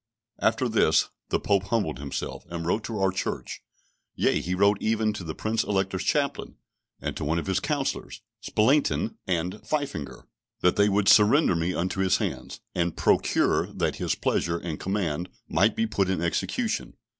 After this the Pope humbled himself, and wrote to our church, yea, he wrote even to the Prince Elector's chaplain, and to one of his counsellors, Spalatine and Pfeffinger, that they would surrender me into his hands, and procure that his pleasure and command might be put in execution.